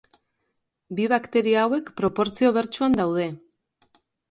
Bi bakteria hauek proportzio bertsuan daude.